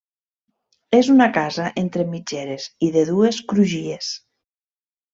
És una casa entre mitgeres i de dues crugies.